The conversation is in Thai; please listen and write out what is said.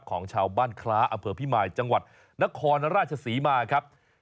ของชาวบ้านคล้าอำเภอพิมายจังหวัดนครราชศรีมาครับ